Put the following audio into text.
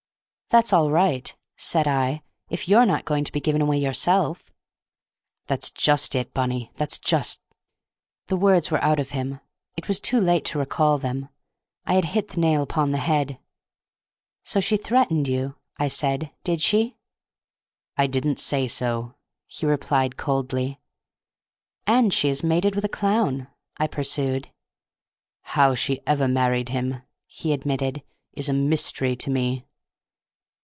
"That's all right," said I, "if you're not going to be given away yourself." "That's just it, Bunny! That's just—" The words were out of him, it was too late to recall them. I had hit the nail upon the head. "So she threatened you," I said, "did she?" "I didn't say so," he replied, coldly. "And she is mated with a clown!" I pursued. "How she ever married him," he admitted, "is a mystery to me."